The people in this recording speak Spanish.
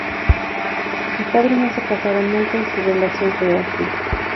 Sus padres no se casaron nunca y su relación fue hostil.